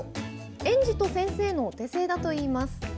園児と先生のお手製だといいます。